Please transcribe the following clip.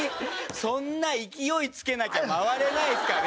そんな勢いつけなきゃ回れないですかね？